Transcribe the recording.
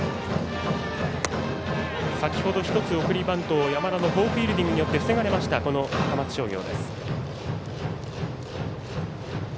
先ほど１つ送りバントを山田の好フィールディングによって防がれました、高松商業。